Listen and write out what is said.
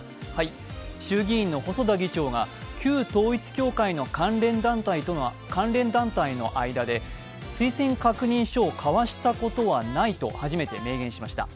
衆議院の細田議長が旧統一教会の関連団体との間で推薦確認書を交わしたことはないと初めて明言しました。